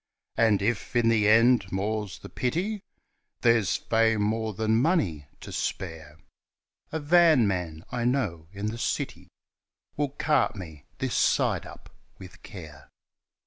And if, in the end more's the pity There's fame more than money to spare A vanman I know in the city Will cart me "This side up with care."